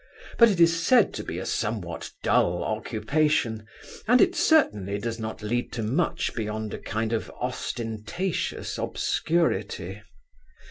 But it is said to be a somewhat dull occupation, and it certainly does not lead to much beyond a kind of ostentatious obscurity.